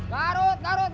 garut garut garut